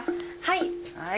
はい。